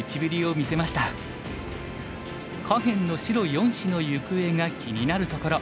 下辺の白４子の行方が気になるところ。